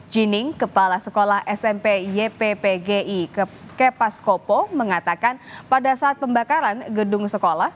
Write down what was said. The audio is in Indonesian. jining kepala sekolah smp yppgi kepaskopo mengatakan pada saat pembakaran gedung sekolah